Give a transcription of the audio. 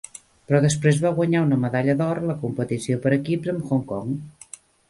Però després va guanyar una medalla d'or en la competició per equips amb Hong Kong.